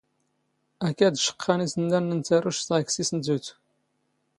ⴰⴽⴰⴷ ⵛⵇⵇⴰⵏ ⵉⵙⵏⵏⴰⵏⵏ ⵏ ⵜⴰⵔⵓⵛⵜ ⵉⵖ ⴽ ⵙⵉⵙⵏ ⵜⵓⵜ.